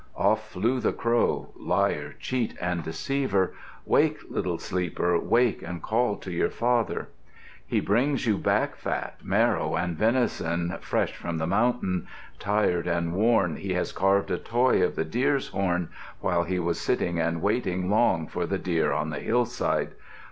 Off flew the crow, liar, cheat, and deceiver! Wake, little sleeper, wake, and call to your father! "He brings you backfat, marrow, and venison fresh from the mountain. Tired and worn, he has carved a toy of the deer's horn, While he was sitting and waiting long for the deer on the hillside.